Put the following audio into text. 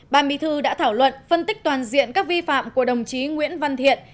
ban bí thư đã thảo luận phân tích toàn diện các vi phạm của đồng chí nguyễn văn thiện